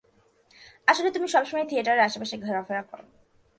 আসলে তুমি সবসময়ই থিয়েটারের আশেপাশে ঘোরাফেরা করো।